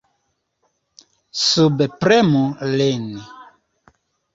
Subpremu lin!